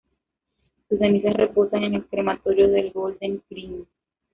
Sus cenizas reposan en el Crematorio de Golders Green.